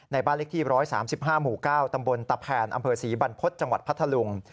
บ้านเล็กที่๑๓๕หมู่๙ตำบลตะแผนอำเภอศรีบรรพฤษจังหวัดพัทธลุง